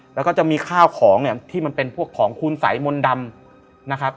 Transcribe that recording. แล้วก็จะมีข้าวของที่มันเป็นพวกของคูณสายมนต์ดำ